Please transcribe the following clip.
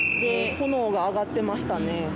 炎が上がっていました。